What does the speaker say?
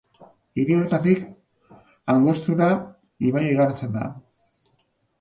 Hiri honetatik Angostura ibaia igarotzen da.